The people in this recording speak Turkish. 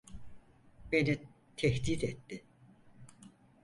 Beni tehdit etti.